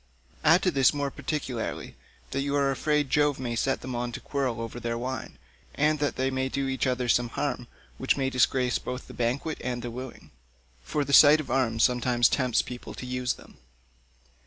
Add to this more particularly that you are afraid Jove may set them on to quarrel over their wine, and that they may do each other some harm which may disgrace both banquet and wooing, for the sight of arms sometimes tempts people to use them."